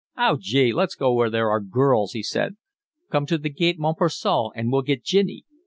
"Oh gee, let's go where there are girls," he said. "Come to the Gaite Montparnasse, and we'll get ginny."